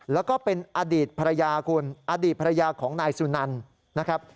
แล้วก็เป็นอดีตภรรยาคุณอดีตภรรยาของนายสุนันนะครับ